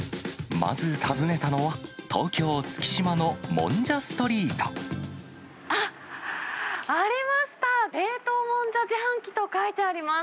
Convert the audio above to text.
まず訪ねたのは、東京・月島あっ、ありました、冷凍もんじゃ自販機と書いてあります。